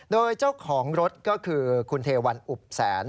โดยเจ้าของรถก็คือคุณเทวันอุบแสน